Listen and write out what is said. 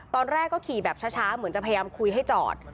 ตอนแรกก็ขี่แบบช้าเหมือนจะพยายามคุยให้จอด